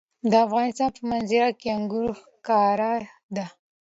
د افغانستان په منظره کې انګور ښکاره ده.